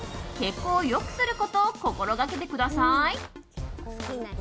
血行を良くすることを心掛けてください。